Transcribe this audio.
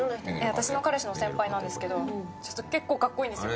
私の彼氏の先輩なんですけど結構カッコいいんですよ。